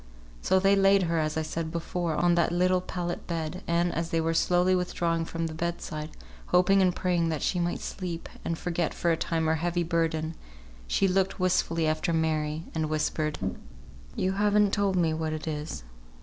So they laid her, as I said before, on that little pallet bed; and, as they were slowly withdrawing from the bed side, hoping and praying that she might sleep, and forget for a time her heavy burden, she looked wistfully after Mary, and whispered, "You haven't told me what it is.